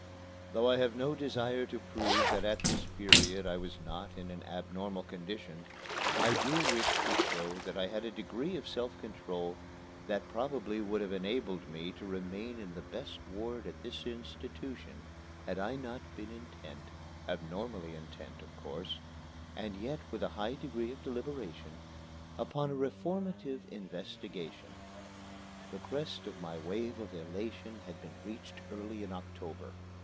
Though I have no desire to prove that at this period I was not in an abnormal condition, I do wish to show that I had a degree of self control that probably would have enabled me to remain in the best ward at this institution had I not been intent abnormally intent, of course, and yet with a high degree of deliberation upon a reformative investigation. The crest of my wave of elation had been reached early in October.